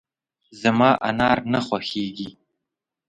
زما انار نه خوښېږي .